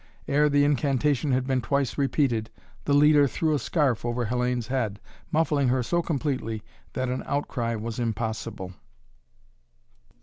Ere the incantation had been twice repeated, the leader threw a scarf over Hellayne's head, muffling her so completely that an outcry was impossible.